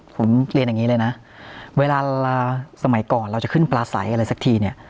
ผมเรียนอย่างนี้เลยนะเวลาสมัยก่อนเราจะขึ้นปลาใสอะไรสักทีเนี่ย